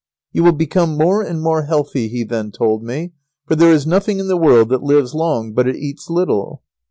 "You will become more and more healthy," he then told me, "for there is nothing in the world that lives long but it eats little."